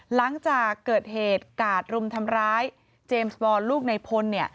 หลังจากเกิดเหตุกาดรุมทำร้ายเจมส์บอลลูกในพล